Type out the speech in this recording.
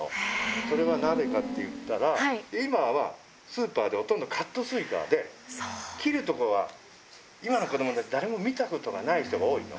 それはなぜかっていったら、今は、スーパーでほとんどカットすいかで、切るところは今の子どもたち、誰も見たことがない人が多いの。